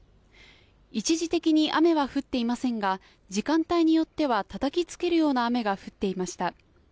一時的に雨は降っていませんが時間帯によってはたたきつけるような雨が降っていました。